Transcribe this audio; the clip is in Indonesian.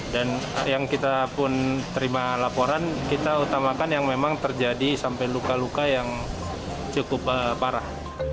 dan yang kita pun terima laporan kita utamakan yang memang terjadi sampai luka luka yang cukup parah